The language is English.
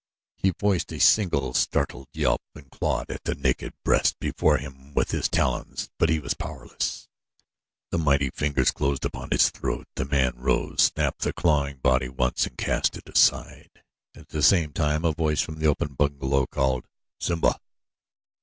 He voiced a single startled yelp and clawed at the naked breast before him with his talons; but he was powerless. The mighty fingers closed upon his throat; the man rose, snapped the clawing body once, and cast it aside. At the same time a voice from the open bungalow door called: "Simba!"